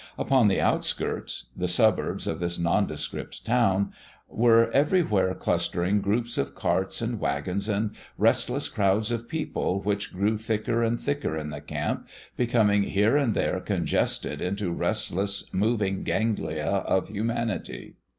Upon the outskirts the suburbs of this nondescript town were everywhere clustering groups of carts and wagons and restless crowds of people which grew thicker and thicker in the camp, becoming here and there congested into restless, moving ganglia of humanity.